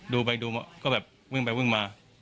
ดูไปดูมาก็แบบวิ่งไปวิ่งมา